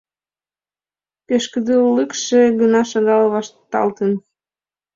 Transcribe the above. Пешкыдылыкше гына шагал вашталтын.